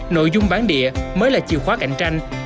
nội dung bán địa mới là chìa khóa cạnh tranh